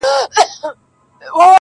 ازموینه کي د عشق برابر راغله،